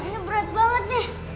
ini berat banget nih